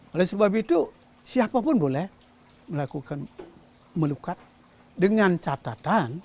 oleh sebab itu siapapun boleh melakukan melukat dengan catatan